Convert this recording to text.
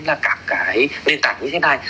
là các cái nền tảng như thế này